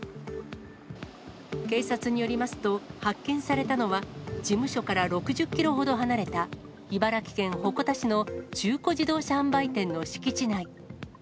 警察によりますと、発見されたのは、事務所から６０キロほど離れた茨城県鉾田市の中古自動車販売店の敷地内。